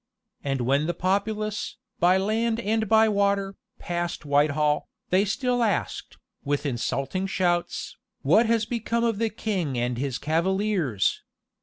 And when the populace, by land and by water, passed Whitehall, they still asked, with insulting shouts, "What has become of the king and his cavaliers?